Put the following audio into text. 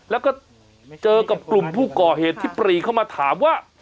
แล้วก็เจอกับกลุ่มผู้ก่อเหตุที่ปรีเข้ามาถามว่า